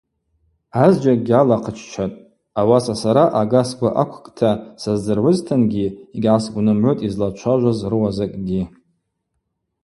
Азджьакӏгьи алахъыччатӏ, ауаса сара ага сгвы аквкӏта саздзыргӏвызтынгьи йгьгӏасгвнымгӏвытӏ йызлачважваз рыуа закӏгьи.